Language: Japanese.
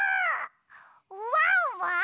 ワンワン！